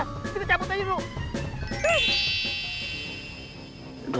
kita cabut aja dulu